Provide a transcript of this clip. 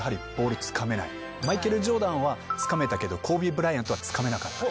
マイケル・ジョーダンはつかめたけどコービー・ブライアントはつかめなかった。